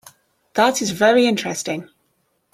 That is very interesting.